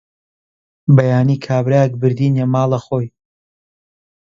بەیانی کابرایەک بردینیە ماڵە خۆی